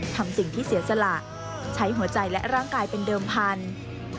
ทำสิ่งที่เสียสละใช้หัวใจและร่างกายเป็นเดิมพันธุ์